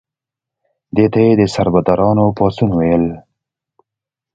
دې ته یې د سربدارانو پاڅون ویل.